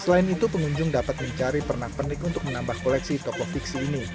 selain itu pengunjung dapat mencari pernah pernik untuk menambah koleksi tokoh fiksi